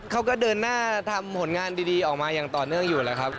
เขาก็เดินหน้าทำผลงานดีออกมาอย่างต่อเนื่องอยู่แล้วครับ